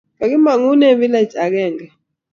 Kikimangune pilage agenge.